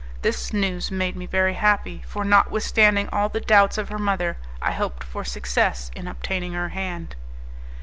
This news made me very happy, for, notwithstanding all the doubts of her mother, I hoped for success in obtaining her hand.